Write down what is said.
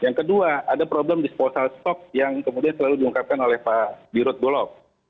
yang kedua ada problem disposal stok yang kemudian selalu diungkapkan oleh pak dirut bulog